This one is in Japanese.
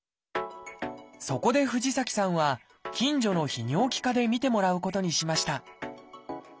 そこで藤崎さんは近所の泌尿器科で診てもらうことにしました。